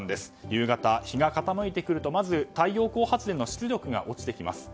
夕方、日が傾いてくるとまず太陽光発電の出力が落ちてきます。